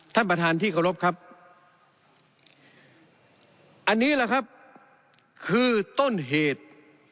ท่านประธานที่เคารพครับอันนี้แหละครับคือต้นเหตุ